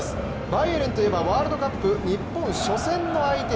バイエルンといえばワールドカップ日本初戦の相手。